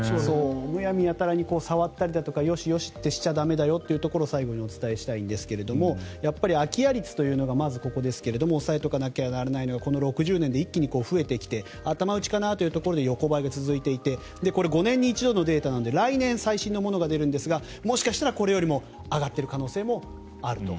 むやみやたらに触ったりとかよしよしとしては駄目だよということをお伝えしたいんですがやっぱり空き家率というのがここですが押さえておかなきゃならないのがこの６０年で一気に増えてきて頭打ちかなというところで横ばいが続いていて５年に一度のデータなので来年、最新のものが出るんですがもしかしたらこれよりも上がっている可能性もあると。